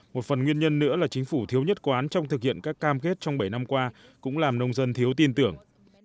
một phần nguyên nhân nữa là chính phủ thiếu nhất quán trong thực hiện các cam kết trong bảy năm qua cũng làm nông dân thiếu tin tưởng